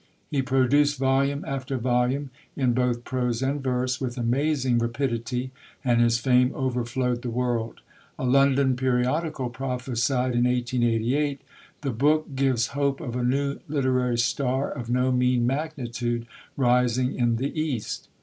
He produced volume after volume, in both prose and verse, with amazing rapidity, and his fame overflowed the world. A London periodical prophesied in 1888, "The book gives hope of a new literary star of no mean magnitude rising in the East."